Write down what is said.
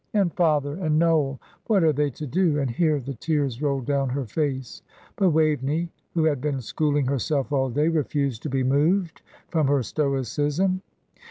And father, and Noel, what are they to do?" and here the tears rolled down her face; but Waveney, who had been schooling herself all day, refused to be moved from her stoicism.